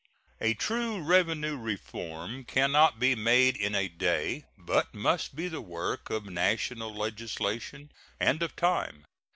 A true revenue reform can not be made in a day, but must be the work of national legislation and of time.